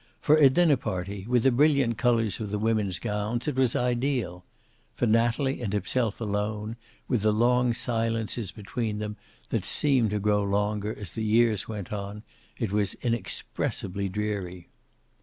For a dinner party, with the brilliant colors of the women's gowns, it was ideal. For Natalie and himself alone, with the long silences between them that seemed to grow longer as the years went on, it was inexpressibly dreary.